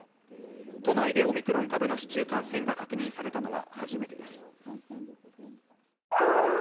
都内でオミクロン株の市中感染が確認されたのは初めてです。